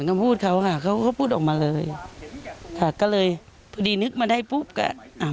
ต้องพูดเขาค่ะเขาก็พูดออกมาเลยค่ะก็เลยพอดีนึกมาได้ปุ๊บก็อ่า